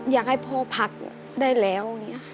อยากให้พ่อพักได้แล้ว